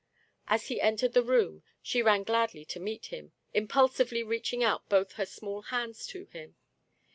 As he entered the room, she ran gladly to meet him, impulsively reaching out both her small hands to him.